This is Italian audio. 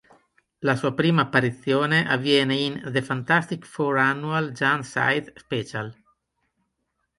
La sua prima apparizione avviene in "The Fantastic Four Annual Giant-Size Special!